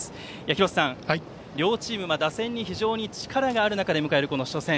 廣瀬さん、両チーム、打線に非常に力がある中出迎える初戦。